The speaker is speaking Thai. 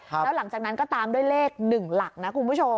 แล้วหลังจากนั้นก็ตามด้วยเลข๑หลักนะคุณผู้ชม